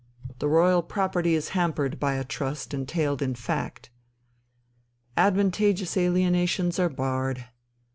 The royal property is hampered by a trust entailed in fact. Advantageous alienations are barred.